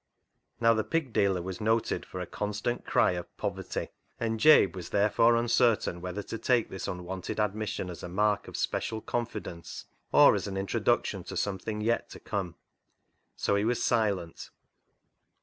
Now the pig dealer was noted for a constant cry of poverty, and Jabe was therefore uncer tain whether to take this unwonted admission as a mark of special confidence or as an intro duction to something yet to come, so he was silent.